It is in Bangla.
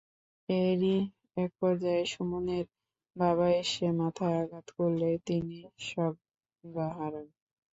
এরই একপর্যায়ে সুমনের বাবা এসে মাথায় আঘাত করলে তিনি সংজ্ঞা হারান।